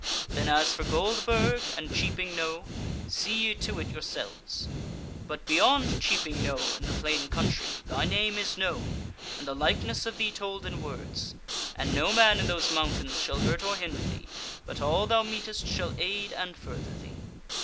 Then as for Goldburg and Cheaping Knowe, see ye to it yourselves: but beyond Cheaping Knowe and the plain country, thy name is known, and the likeness of thee told in words; and no man in those mountains shall hurt or hinder thee, but all thou meetest shall aid and further thee.